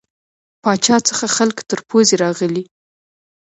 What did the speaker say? پاچا څخه خلک تر پوزې راغلي.